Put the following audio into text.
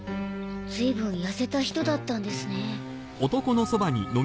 ずいぶんやせた人だったんですね。